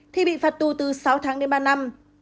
thì bị phạt tù từ sáu tháng đến ba năm